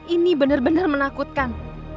ini benar benar menakutkan